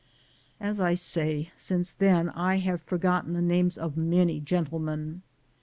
As I say, since then I have forgotten the names of many gentlemen.